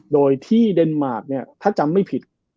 โดยที่เดนมาร์คเนี่ยถ้าจำไม่ผิด